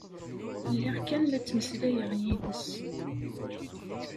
Lliɣ kan la ttmeslayeɣ yid-s.